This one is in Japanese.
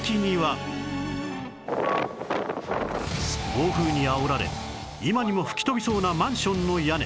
暴風にあおられ今にも吹き飛びそうなマンションの屋根